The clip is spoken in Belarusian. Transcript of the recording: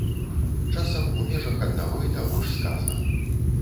Часам у межах аднаго і таго ж сказа.